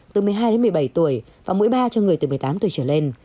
từ một mươi hai đến một mươi bảy tuổi và mũi ba cho người từ một mươi tám tuổi trở lên